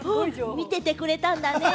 見ててくれたんだね！